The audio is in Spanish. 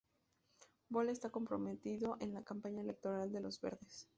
Böll está comprometido en la campaña electoral de los Verdes.